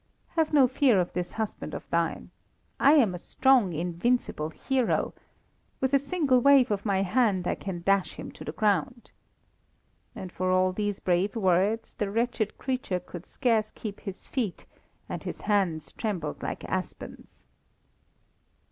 Have no fear of this husband of thine. I am a strong, invincible hero! With a single wave of my hand I can dash him to the ground" and for all these brave words, the wretched creature could scarce keep his feet, and his hands trembled like aspens.